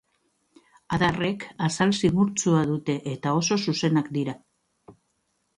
Adarrek azal zimurtsua dute eta oso zuzenak dira.